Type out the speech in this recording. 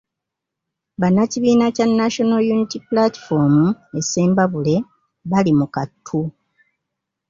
Bannakibiina kya National Unity Platform e Ssembabule bali mu kattu.